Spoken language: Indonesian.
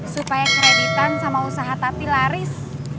supaya kreditan sama usaha tati laris